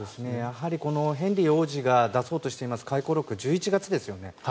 このヘンリー王子が出そうとしています回顧録、１１月ですよね